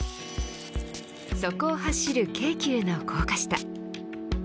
そこを走る京急の高架下。